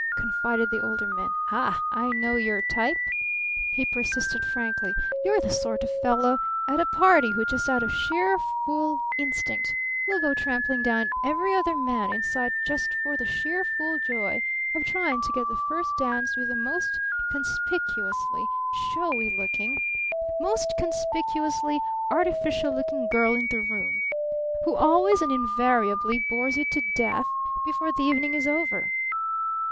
confided the Older Man. "Ha! I know your type!" he persisted frankly. "You're the sort of fellow, at a party, who just out of sheer fool instinct will go trampling down every other man in sight just for the sheer fool joy of trying to get the first dance with the most conspicuously showy looking, most conspicuously artificial looking girl in the room who always and invariably 'bores you to death' before the evening is over!